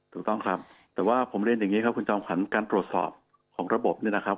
ถูกต้องครับแต่ว่าผมเล่นอย่างนี้คุณจอมขันการปรดสอบของระบบนี้นะครับ